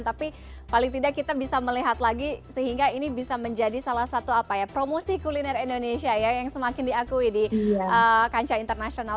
tapi paling tidak kita bisa melihat lagi sehingga ini bisa menjadi salah satu promosi kuliner indonesia ya yang semakin diakui di kancah internasional